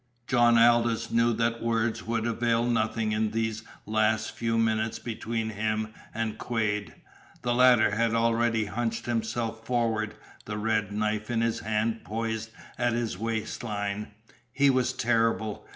John Aldous knew that words would avail nothing in these last few minutes between him and Quade. The latter had already hunched himself forward, the red knife in his hand poised at his waistline. He was terrible.